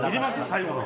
最後の。